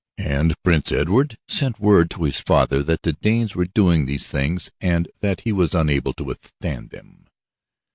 And Prince Edward sent word to his father that the Danes were doing these things and that he was unable to withstand them.